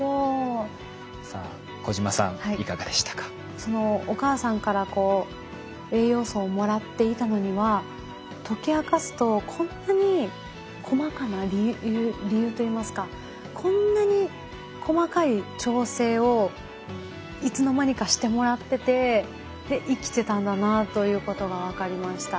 そのお母さんからこう栄養素をもらっていたのには解き明かすとこんなに細かな理由といいますかこんなに細かい調整をいつの間にかしてもらってて生きてたんだなということが分かりました。